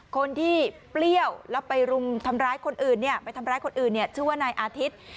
คนที่เปรี้ยวแล้วไปลุงทำร้ายคนอื่นที่ว่าใหนอาทิตย์